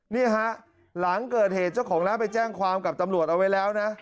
นี่ฮะหลังเกิดเหตุเจ้าของร้านไปแจ้งความกับตำรวจเอาไว้แล้วนะ